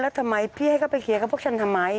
แล้วทำไมพี่ให้เขาไปเคลียร์กับพวกฉันทำไม